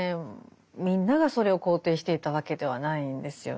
みんながそれを肯定していたわけではないんですよね。